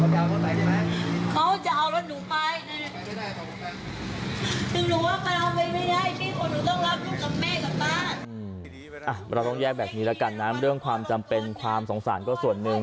เราต้องแยกแบบนี้แล้วกันนะเรื่องความจำเป็นความสงสารก็ส่วนหนึ่ง